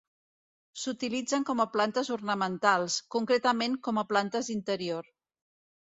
S'utilitzen com a plantes ornamentals, concretament com a plantes d'interior.